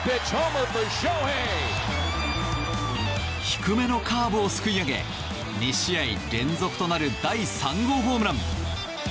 低めのカーブをすくい上げ２試合連続となる第３号ホームラン。